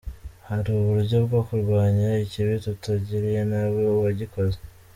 Hari uburyo bwo kurwanya ikibi tutagiriye nabi uwagikoze.